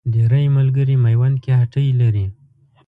ډېری ملګري میوند کې هټۍ لري.